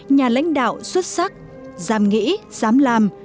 nhà lãnh đạo xuất sắc dám nghĩ dám làm